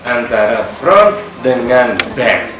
antara fraud dengan back